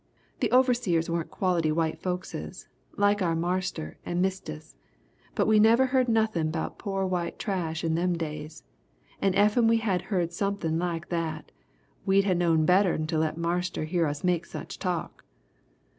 The overseers warn't quality white folkses like our marster and mistess but we never heard nuffin' 'bout no poor white trash in them days, and effen we had heard sumpin' like that we'd have knowed better'n to let Marster hear us make such talk!